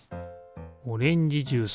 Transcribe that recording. オレンジジュース。